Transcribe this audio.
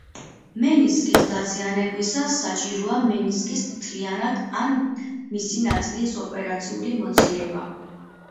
მენისკის დაზიანებისას საჭიროა მენისკის მთლიანად ან მისი ნაწილის ოპერაციული მოცილება.